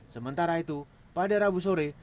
sementara itu pada rabu sore